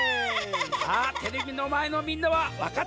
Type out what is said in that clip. さあテレビのまえのみんなはわかったかな？